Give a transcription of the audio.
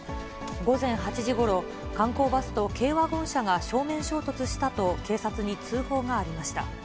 午前８時ごろ、観光バスと軽ワゴン車が正面衝突したと警察に通報がありました。